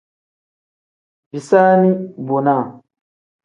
Bisaani bonaa.